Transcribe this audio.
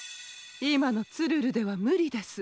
いまのツルルではむりです。